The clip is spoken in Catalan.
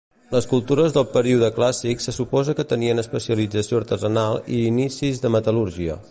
Les cultures del Període clàssic se suposa que tenien especialització artesanal i inicis de metal·lúrgia.